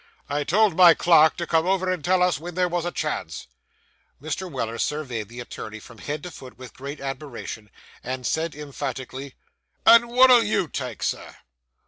I told my clerk to come over and tell us when there was a chance.' Mr. Weller surveyed the attorney from head to foot with great admiration, and said emphatically 'And what'll you take, sir?